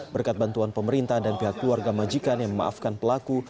berkat bantuan pemerintah dan pihak keluarga majikan yang memaafkan pelaku